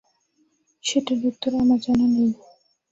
সেটার উত্তর আমার জানা নেই।